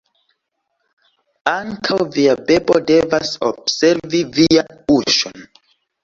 Ankaŭ via bebo devas observi vian buŝon.